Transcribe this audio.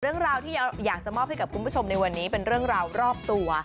เรื่องราวที่อยากจะมอบให้กับคุณผู้ชมในวันนี้เป็นเรื่องราวรอบตัว